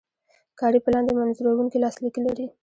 کاري پلان د منظوروونکي لاسلیک لري.